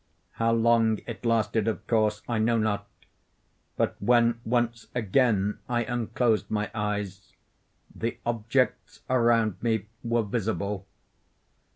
How long it lasted of course, I know not; but when, once again, I unclosed my eyes, the objects around me were visible.